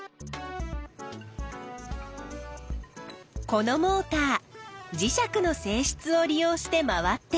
このモーター磁石のせいしつを利用して回ってる。